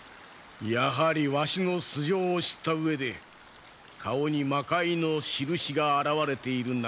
やはりわしの素性を知った上で顔に魔界のしるしが現れているなどと言ったのだな。